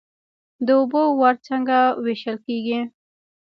د اوبو وار څنګه ویشل کیږي؟